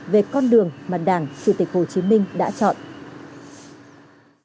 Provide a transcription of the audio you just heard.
về con đường mà đảng chủ tịch hồ chí minh đã chọn